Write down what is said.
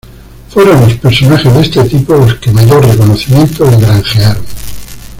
Fueron los personajes de este tipo los que mayor reconocimiento le granjearon.